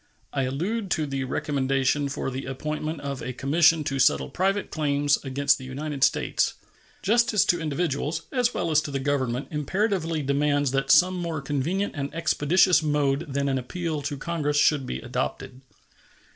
I allude to the recommendation for the appointment of a commission to settle private claims against the United States. Justice to individuals, as well as to the Government, imperatively demands that some more convenient and expeditious mode than an appeal to Congress should be adopted.